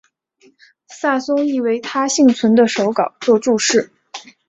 萨松亦为他幸存的手稿作注释。